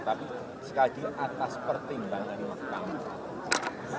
tapi sekali di atas pertimbangan pertama